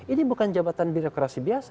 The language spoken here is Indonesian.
ini bukan jabatan birokrasi biasa